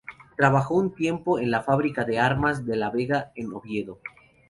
Trabajó un tiempo en la fábrica de armas de La Vega, en Oviedo.